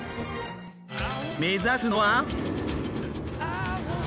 目指すのは。